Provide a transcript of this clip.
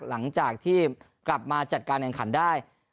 หลังจากที่กลับมาจัดการแข่งขันได้